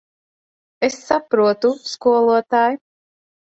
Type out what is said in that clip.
Es saprotu, skolotāj.